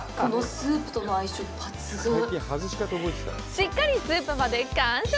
しっかりスープまで完食！